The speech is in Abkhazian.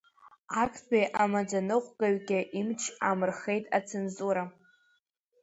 Актәи амаӡаныҟәгаҩгьы имч амырхеит ацензура.